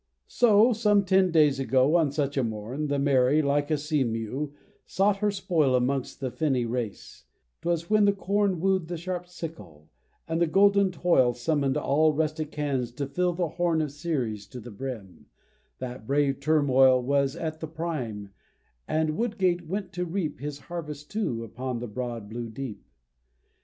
So, some ten days ago, on such a morn, The Mary, like a seamew, sought her spoil Amongst the finny race: 'twas when the corn Woo'd the sharp sickle, and the golden toil Summon'd all rustic hands to fill the horn Of Ceres to the brim, that brave turmoil Was at the prime, and Woodgate went to reap His harvest too, upon the broad blue deep.